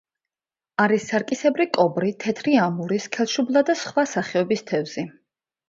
არის სარკისებრი კობრი, თეთრი ამური, სქელშუბლა და სხვა სახეობის თევზი.